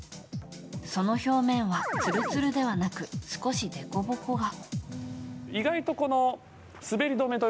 その表面はつるつるではなく少し凸凹が。